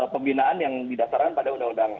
pembinaan yang didasarkan pada undang undang